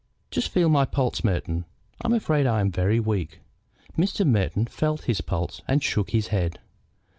Just feel my pulse, Merton. I am afraid I am very weak." Mr. Merton felt his pulse and shook his head.